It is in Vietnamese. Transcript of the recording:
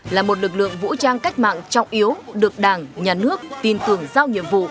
là một lực lượng vũ trang cách mạng trọng yếu được đảng nhà nước tin tưởng giao nhiệm vụ